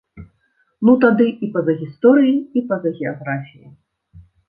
Ну тады і па-за гісторыяй, і па-за геаграфіяй!